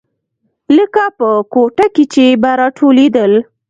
لکه په کوټه کښې چې به راټولېدل.